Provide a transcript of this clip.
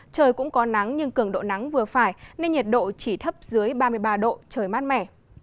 trời cũng có nắng nhưng cường độ nắng vừa phải nên nhiệt độ chỉ thấp dưới ba mươi ba độ trời mát mẻ